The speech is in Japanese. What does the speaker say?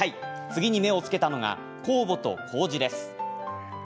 次に目を付けたのが酵母と、こうじです。